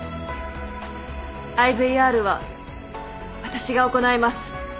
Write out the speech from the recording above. ＩＶＲは私が行います。